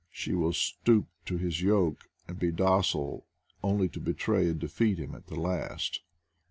She will stoop to his yoke and be docile only to betray and defeat him at the last.